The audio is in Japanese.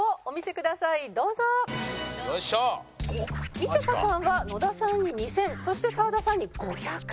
みちょぱさんは野田さんに２０００そして澤田さんに５００。